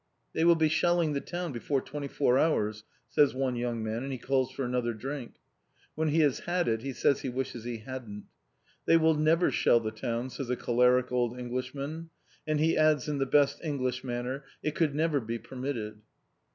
"They will be shelling the town before twenty four hours," says one young man, and he calls for another drink. When he has had it he says he wishes he hadn't. "They will never shell the town," says a choleric old Englishman. And he adds in the best English manner, "It could never be permitted!"